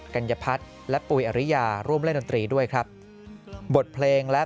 กัญญพัฒน์และปุ๋ยอริยาร่วมเล่นดนตรีด้วยครับบทเพลงและ